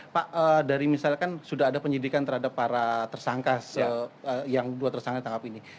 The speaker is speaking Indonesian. pak dari misalkan sudah ada penyidikan terhadap para tersangka yang dua tersangka tangkap ini